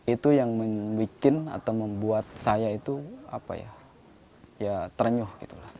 itu yang membuat saya ternyuh